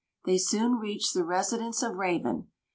They soon reached the residence of Raven.